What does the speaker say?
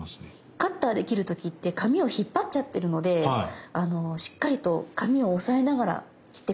カッターで切る時って紙を引っ張っちゃってるのでしっかりと紙を押さえながら切って下さい。